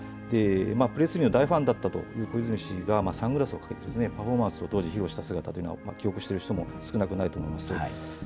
プレスリーの大ファンだという小泉氏がサングラスをかけてパフォーマンスを当時披露した姿というのは記憶している人も少なくないと思います。